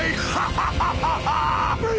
ハハハ！